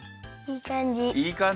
いいかんじ。